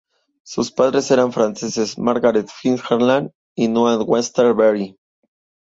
Sus padres eran Frances Margaret Fitzgerald y Noah Webster Beery.